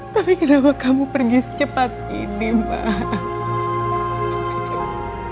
tapi kenapa kamu pergi secepat ini pak